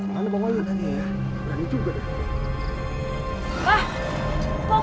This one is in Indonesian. mau kemana bang